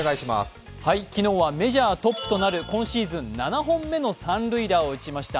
昨日はメジャートップとなる今シーズン７度目の３本塁打を打ちました。